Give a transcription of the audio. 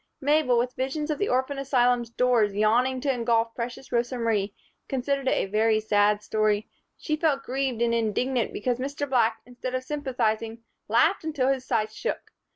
Mabel, with visions of the orphan asylum's doors yawning to engulf precious Rosa Marie, considered it a very sad story. She felt grieved and indignant because Mr. Black, instead of sympathizing, laughed until his sides shook.